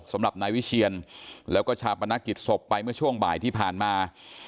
สำหรับนายวิเชียนแล้วก็ชาปนกิจศพไปเมื่อช่วงบ่ายที่ผ่านมา